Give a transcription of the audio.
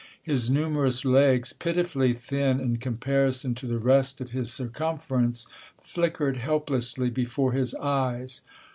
His numerous legs, pitifully thin in comparison to the rest of his circumference, flickered helplessly before his eyes.